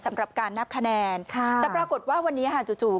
สำหรับการนับคะแนนค่ะแต่ปรากฏว่าวันนี้ค่ะจู่จู่